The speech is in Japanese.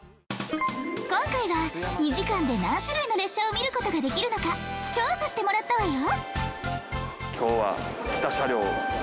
今回は２時間で何種類の列車を見る事ができるのか調査してもらったわよ。